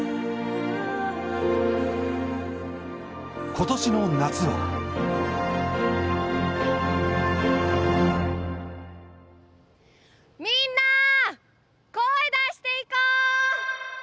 ことしの夏はみんな、声出していこう！